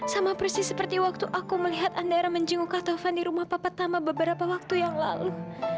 sama persis seperti waktu aku melihat andera menjenguk kata ofan di rumah papa pertama beberapa waktu yang lalu